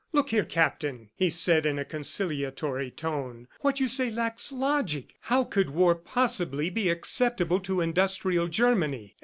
"Look here, Captain," he said in a conciliatory tone, "what you say lacks logic. How could war possibly be acceptable to industrial Germany?